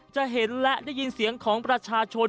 จะเห็นและได้ยินเสียงของประชาชน